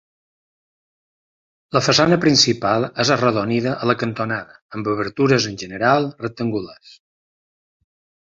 La façana principal és arrodonida a la cantonada, amb obertures en general rectangulars.